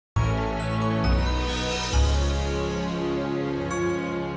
ya tuhan ayah enggak almuanku